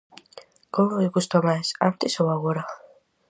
Como vos gusta máis, antes ou agora?